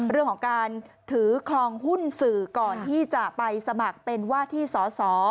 เรื่องของการถือคลองหุ้นสื่อก่อนที่จะไปสมัครเป็นว่าที่สอสอ